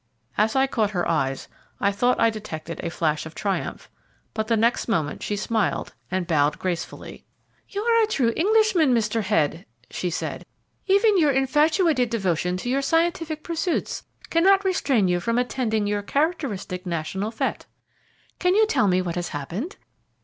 As I caught her eyes I thought I detected a flash of triumph, but the next moment she smiled and bowed gracefully. "You are a true Englishman, Mr. Head," she said. "Even your infatuated devotion to your scientific pursuits cannot restrain you from attending your characteristic national fête. Can you tell me what has happened?